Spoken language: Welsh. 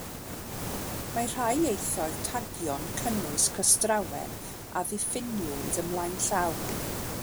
Mae rhai ieithoedd tagio'n cynnwys cystrawen a ddiffiniwyd ymlaen llaw.